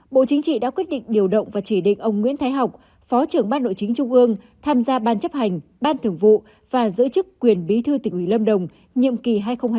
bộ chính trị đã quyết định điều động và chỉ định ông nguyễn thái học phó trưởng ban nội chính trung ương tham gia ban chấp hành ban thưởng vụ và giữ chức quyền bí thư tỉnh ủy lâm đồng nhiệm kỳ hai nghìn hai mươi hai nghìn hai mươi năm